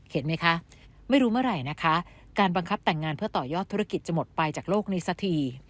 เห็นไหมคะไม่รู้เมื่อไหร่นะคะการบังคับแต่งงานเพื่อต่อยอดธุรกิจจะหมดไปจากโลกนี้สักที